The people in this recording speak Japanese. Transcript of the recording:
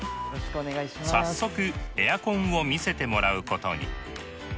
早速エアコンを見せてもらうことに。